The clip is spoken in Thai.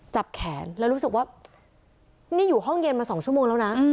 จับแขนแล้วรู้สึกว่านี่อยู่ห้องเย็นมา๒ชั่วโมงแล้วนะ